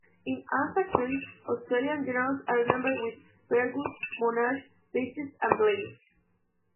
In Anzac Village, Australian Generals are remembered with Birdwood, Monash, Bridges and Blamey.